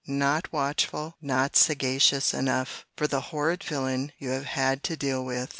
not watchful, not sagacious enough, for the horrid villain you have had to deal with!